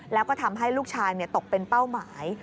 แล้วก็ทำให้ลูกชายตกเป็นเป้าหมาย